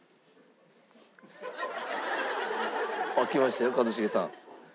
きましたよ一茂さん。